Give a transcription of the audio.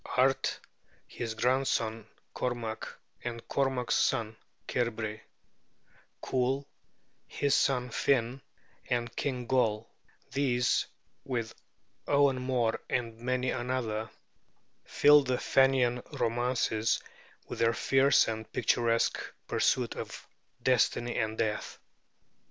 Art, his grandson Cormac, and Cormac's son, Cairbre; Cool, his son Finn, and King Goll: these, with Owen Mor and many another, fill the Fenian romances with their fierce and picturesque pursuit of destiny and death.